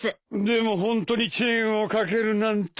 でもホントにチェーンを掛けるなんて。